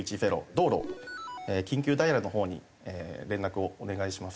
道路緊急ダイヤルのほうに連絡をお願いします。